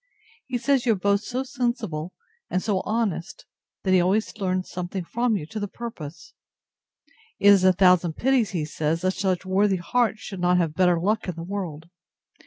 He says you are both so sensible, and so honest, that he always learns something from you to the purpose. It is a thousand pities, he says, that such worthy hearts should not have better luck in the world!